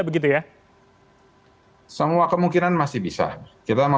bang dev kalau disebutkan agustus akan